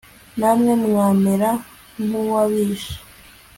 namwe mwamera nk'uwabishe